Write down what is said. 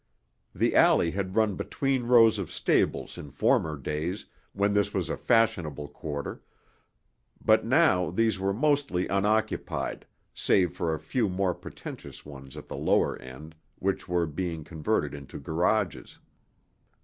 The alley had run between rows of stables in former days when this was a fashionable quarter, but now these were mostly unoccupied, save for a few more pretentious ones at the lower end, which were being converted into garages.